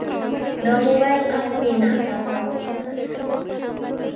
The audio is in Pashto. د موبایل اپ مې ناڅاپه وتړل شو.